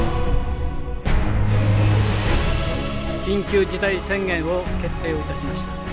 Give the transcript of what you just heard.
緊急事態宣言を決定をいたしました。